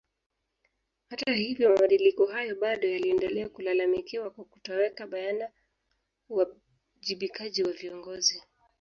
Hata hivyo mabadiliko hayo bado yaliendelea kulalamikiwa kwa kutoweka bayana uwajibikaji wa viongozi